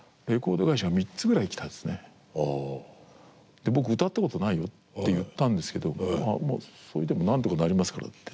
で僕歌ったことないよって言ったんですけどそれでもなんとかなりますからって。